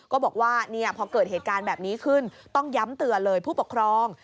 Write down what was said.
ก็บอกว่าพอเกิดเหตุการณ์แบบนี้ขึ้นต้องย้ำเตือนเลยผู้ปกครอง